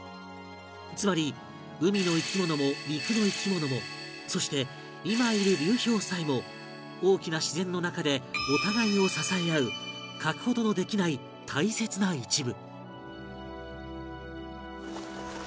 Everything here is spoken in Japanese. つまり海の生き物も陸の生き物もそして今いる流氷さえも大きな自然の中でお互いを支え合う欠く事のできない大切な一部